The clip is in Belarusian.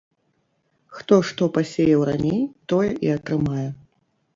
Хто што пасеяў раней, тое і атрымае.